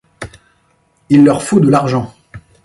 Il leur faut de l’argent.